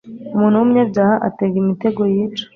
umuntu w'umunyabyaha atega imitego yica